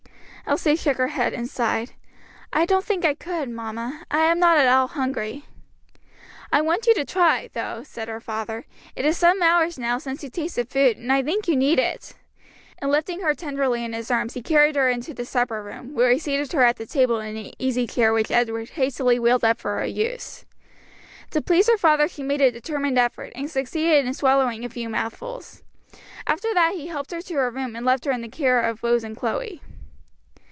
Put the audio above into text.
Elsie shook her head, and sighed, "I don't think I could, mamma; I am not at all hungry." "I want you to try, though," said her father; "it is some hours now since you tasted food, and I think you need it," and lifting her tenderly in his arms he carried her into the supper room, where he seated her at the table in an easy chair which Edward hastily wheeled up for her use. To please her father she made a determined effort, and succeeded in swallowing a few mouthfuls. After that he helped her to her room and left her in the care of Rose and Chloe.